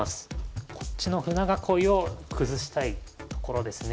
こっちの舟囲いを崩したいところですね。